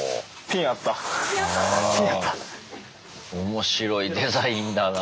面白いデザインだな。